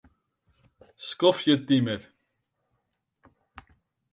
Skoftsje timer.